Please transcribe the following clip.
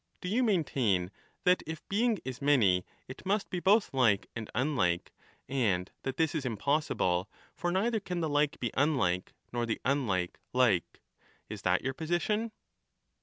Do you maintain that if being is many, it must be both like and unlike, and that this is impossible, for neither can the like be unlike, nor the unlike like — is that your position